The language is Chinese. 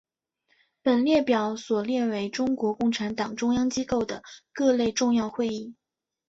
本列表所列为中国共产党中央机构的各类重要会议。